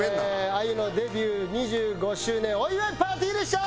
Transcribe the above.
あゆのデビュー２５周年お祝いパーティーでした！